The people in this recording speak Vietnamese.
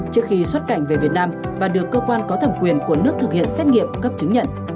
trước khi xuất cảnh về việt nam và được cơ quan có thẩm quyền của nước thực hiện xét nghiệm cấp chứng nhận